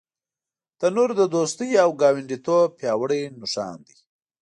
تنور د دوستۍ او ګاونډیتوب پیاوړی نښان دی